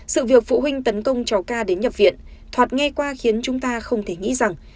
sự việc phụ huynh tấn công chó ca đến nhập viện thoạt nghe qua khiến chúng ta không thể nghĩ rằng